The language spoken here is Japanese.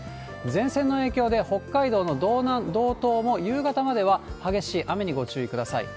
前線の影響で、北海道の道南、道東も夕方までは激しい雨にご注意ください。